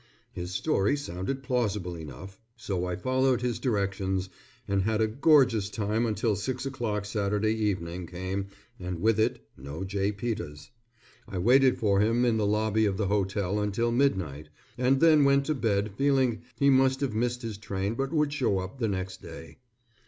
His story sounded plausible enough so I followed his directions, and had a gorgeous time until six o'clock Saturday evening came and with it no J. Peters. I waited for him in the lobby of the hotel until midnight, and then went to bed feeling he must have missed his train but would show up the next day.